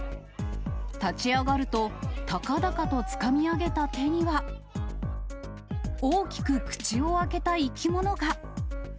立ち上がると、高々とつかみ上げた手には、大きく口を開けた生き物が。